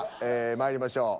まいりましょう。